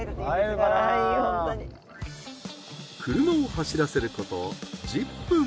車を走らせること１０分。